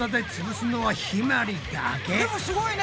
すごいね。